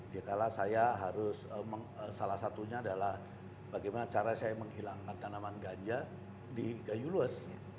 karena saya harus salah satunya adalah bagaimana cara saya menghilangkan tanaman ganja di gayo luas